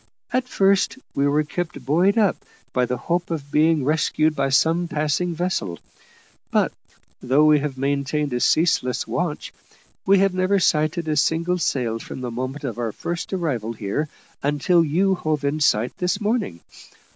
At first, we were kept buoyed up by the hope of being rescued by some passing vessel; but, though we have maintained a ceaseless watch, we have never sighted a single sail from the moment of our first arrival here until you hove in sight this morning.